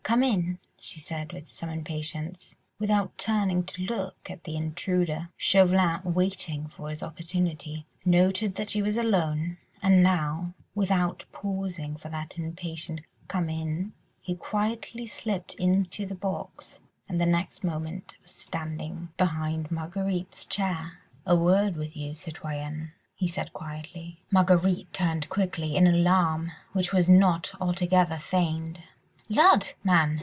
"Come in," she said with some impatience, without turning to look at the intruder. Chauvelin, waiting for his opportunity, noted that she was alone, and now, without pausing for that impatient "Come in," he quietly slipped into the box, and the next moment was standing behind Marguerite's chair. "A word with you, citoyenne," he said quietly. Marguerite turned quickly, in alarm, which was not altogether feigned. "Lud, man!